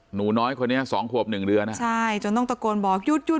หนูน้อยคนนี้สองขวบหนึ่งเดือนอ่ะใช่จนต้องตะโกนบอกหยุดหยุด